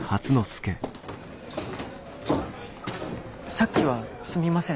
さっきはすみません。